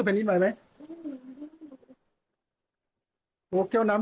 โอ้บิ๊นเย็บมาก